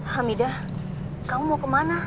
hamidah kamu mau kemana